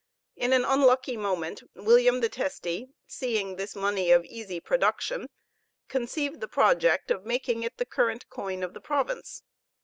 In an unlucky moment, William the Testy, seeing this money of easy production, conceived the project of making it the current coin of the province.